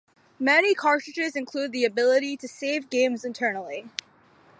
Many cartridges include the ability to save games internally.